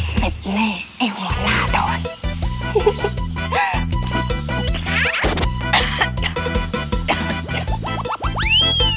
สวัสดีที่จะได้เก็บไป